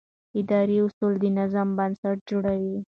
اداري اصول د نظم بنسټ جوړوي.